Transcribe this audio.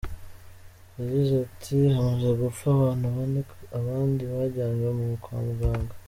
Yagize ati “Hamaze gupfa abantu bane abandi bajyanywe kwa muganga.